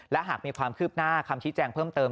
และหากมีความคืบหน้าคำชี้แจงเพิ่มเติม